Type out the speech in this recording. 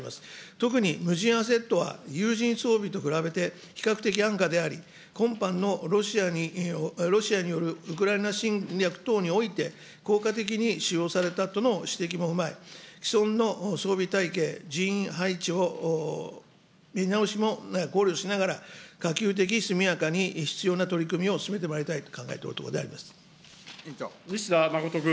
特に無人アセットは、有人装備と比べて比較的安価であり、今般のロシアによるウクライナ侵略等において、効果的に使用されたとの指摘も踏まえ、既存の装備体系、人員配置を見直しも考慮しながら、可及的速やかに必要な取り組みを進めてまいりたいと考えておると西田実仁君。